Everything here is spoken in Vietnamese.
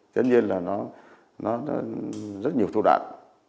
tất nhiên là nó nó rất nhiều thu đoạn